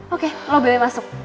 oke lo beli masuk